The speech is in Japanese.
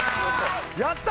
やった！